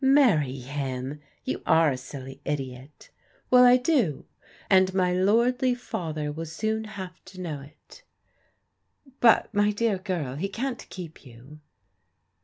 " Marry him I You are a silly idiot." ^" Well, I do, and my lordly father will soon have fx\ know it" " But, my dear girl, he can't keep you."